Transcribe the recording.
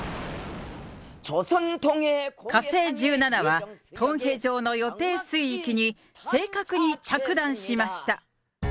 火星１７は、トンヘ上の予定水域に正確に着弾しました。